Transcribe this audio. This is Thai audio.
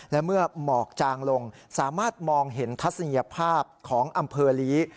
และเมื่อหมอกจางลงสามารถมองเห็นทัศนียภาพของอำเภอลี